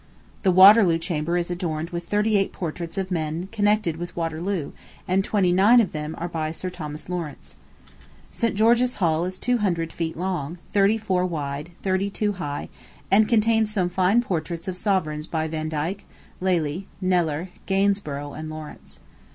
The Waterloo Chamber is adorned with thirty eight portraits of men connected with Waterloo, and twenty nine of them are by Sir Thomas Lawrence. St. George's Hall is two hundred feet long, thirty four wide, thirty two high, and contains some fine portraits of sovereigns by Vandyke, Lely, Kneller, Gainsborough, and Lawrence.